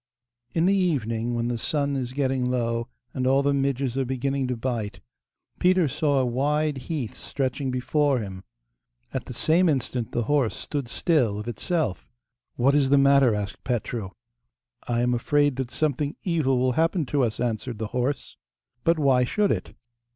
In the evening, when the sun is getting low, and all the midges are beginning to bite, Peter saw a wide heath stretching before him. At the same instant the horse stood still of itself. 'What is the matter?' asked Petru. 'I am afraid that something evil will happen to us,' answered the horse. 'But why should it?